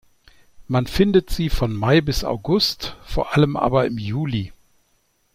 Man findet sie von Mai bis August, vor allem aber im Juli.